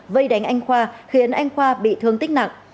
vây đánh anh khoa khiến anh khoa bị thương tích nặng